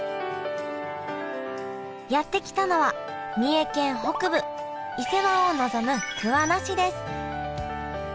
やって来たのは三重県北部伊勢湾を臨む桑名市です。